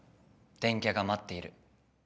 電キャがまっている。